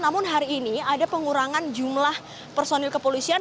namun hari ini ada pengurangan jumlah personil kepolisian